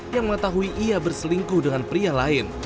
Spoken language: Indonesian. yang mengetahui ia berselingkuh dengan pria lain